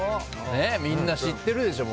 みんな知ってるでしょ